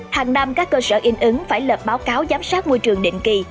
hàng năm các cơ sở in ứng phải lập báo cáo giám sát môi trường định kỳ